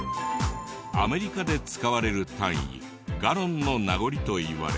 アメリカで使われる単位ガロンの名残といわれ。